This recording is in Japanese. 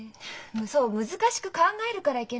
そう難しく考えるからいけないのよ。